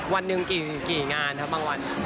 วันหนึ่งกี่งานครับบางวัน